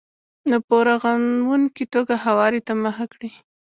نو په رغونکې توګه هواري ته مخه کړئ.